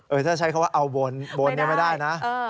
เออถ้าใช้คำว่าเอาบนบนเนี่ยไม่ได้นะ